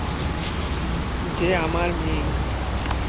যে আমার মেয়ে।